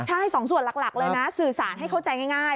ใช่๒ส่วนหลักเลยนะสื่อสารให้เข้าใจง่าย